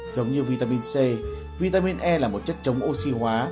giống như vitamin c vitamin e là một chất chống oxy hóa